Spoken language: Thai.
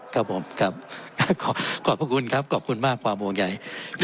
ครับผมครับขอบพระคุณครับขอบคุณมากความห่วงใหญ่